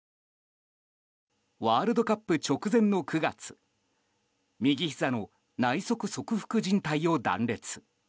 ワールドカップ直前の９月右ひざの内側側副じん帯を断裂。